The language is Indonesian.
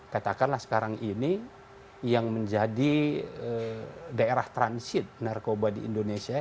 katakanlah sekarang ini yang menjadi daerah transit narkoba di indonesia